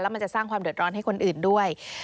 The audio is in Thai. มันจะสร้างความเดือดร้อนให้คนอื่นด้วย